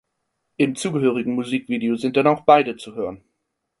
Im zugehörigen Musikvideo sind dann auch beide zu hören.